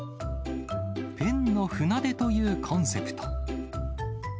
ペンの船出というコンセプト。